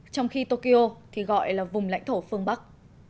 trong khi tokyo thì gọi là vùng lãnh thổ phương bắc